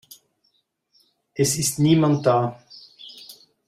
Es ist niemand da.